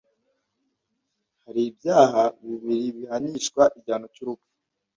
hari ibyaha bibiri bihanishwa igihano cy’urupfu